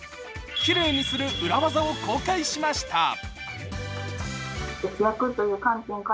きれいにする裏技を公開しました。